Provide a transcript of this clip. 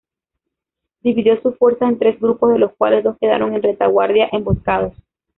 Dividió su fuerza en tres grupos, de los cuales dos quedaron en retaguardia, emboscados.